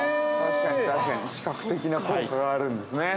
◆視覚的な効果があるんですね。